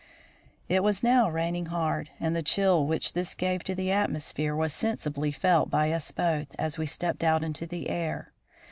It was now raining hard, and the chill which this gave to the atmosphere was sensibly felt by us both as we stepped out into the air.